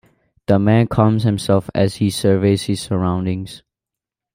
The man calms himself as he surveys his surroundings.